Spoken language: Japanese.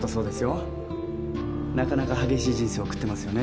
なかなか激しい人生を送ってますよね